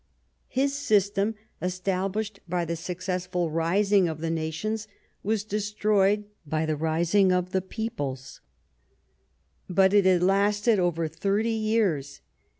His system, established by the successful "rising of the nations," was destroyed by the " rising of the peoples." But it had lasted over thirty years.